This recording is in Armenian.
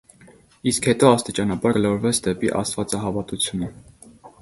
Իսկ հետո աստիճանաբար գլորվեց դեպի աստվածահավատությունը։